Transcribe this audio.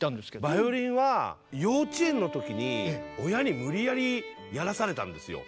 バイオリンは幼稚園の時に親に無理やりやらされたんですよ。